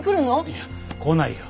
いや来ないよ。